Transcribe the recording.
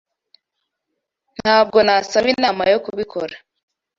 Ntabwo nasaba inama yo kubikora.